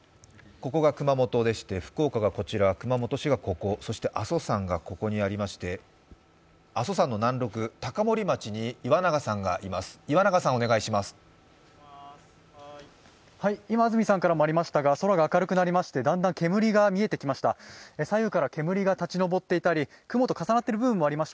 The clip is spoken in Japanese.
ここが熊本でして福岡がこちら、熊本市がここ、阿蘇山がここにありまして、阿蘇山の南麓、高森町に岩永さんがいます。